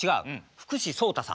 福士蒼汰さん。